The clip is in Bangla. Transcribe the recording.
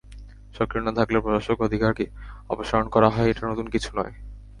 সক্রিয় না থাকলে প্রশাসক অধিকার অপসারণ করা হয় এটা নতুন কিছু নয়।